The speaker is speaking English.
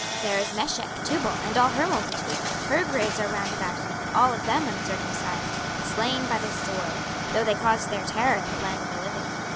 26:032:026 There is Meshech, Tubal, and all her multitude: her graves are round about him: all of them uncircumcised, slain by the sword, though they caused their terror in the land of the living.